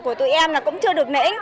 của tụi em là cũng chưa được nễ